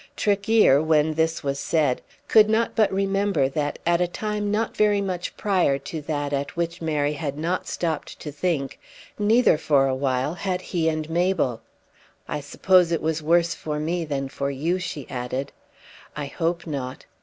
Tregear, when this was said, could not but remember that at a time not very much prior to that at which Mary had not stopped to think, neither for a while had he and Mabel. "I suppose it was worse for me than for you," she added. "I hope not."